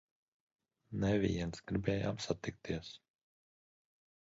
Neviens! Gribējām satikties!